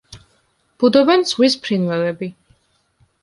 ბუდობენ ზღვის ფრინველები.